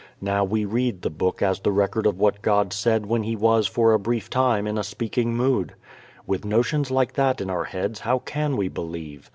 Now we read the book as the record of what God said when He was for a brief time in a speaking mood. With notions like that in our heads how can we believe?